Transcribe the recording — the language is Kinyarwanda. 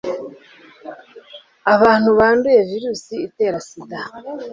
abantu banduye virusi itera sida